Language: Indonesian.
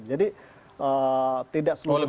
jadi tidak seluruhnya benar